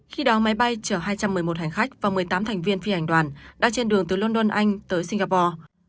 khi đó máy bay chở hai trăm một mươi một hành khách và một mươi tám thành viên phi hành đoàn đã trên đường từ london anh tới singapore